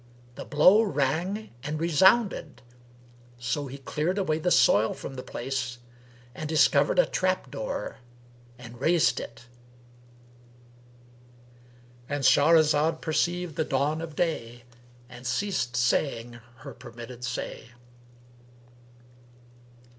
The blow rang and resounded; so he cleared away the soil from the place and discovered a trap door and raised it.—And Shahrazad perceived the dawn of day and ceased saying her permitted say.